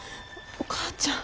お母ちゃん。